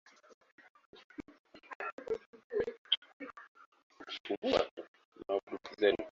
Imetayarishwa na Kennes Bwire, sauti ya america, Washington Wilaya ya Columbia